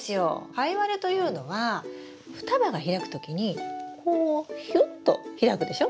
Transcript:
カイワレというのは双葉が開く時にこうヒュッと開くでしょ？